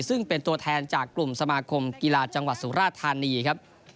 ซึ่งเป็นตัวแทนจากกลุ่มสมาคมกีฬาจังหวัดสุราธานีครับ